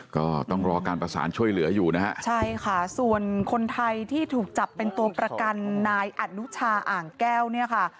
ก็ต้องรอการประสานช่วยเหลืออยู่นะฮะใช่ค่ะส่วนคนไทยที่ถูกจับเป็นตัวประกันนายอนุชาอ่างแก้วเนี่ยค่ะ